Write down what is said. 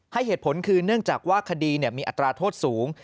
ให้เหตุผลคือเนื่องจากว่าคดีมีอัตราโทษสูง